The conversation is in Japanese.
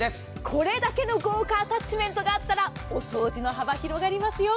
これだけの豪華アタッチメントがあったらお掃除の幅、広がりますよ。